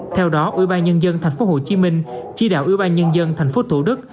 theo đó ủy ban nhân dân thành phố hồ chí minh chi đạo ủy ban nhân dân thành phố thủ đức